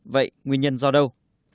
vậy nguyên nhân do đâu